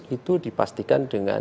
itu dipastikan dengan